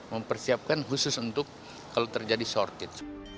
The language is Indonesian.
mempersiapkan khusus untuk kalau terjadi shorkid